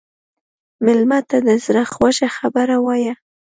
مېلمه ته د زړه خوږه خبره وایه.